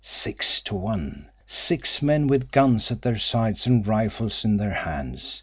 Six to one! Six men with guns at their sides and rifles in their hands.